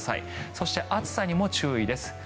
そして、暑さにも注意です。